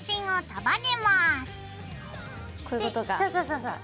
そうそうそうそう。